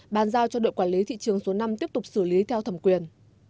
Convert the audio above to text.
bàn giao cho đội quản lý thị trường số năm tiếp tục xử lý theo thẩm quyền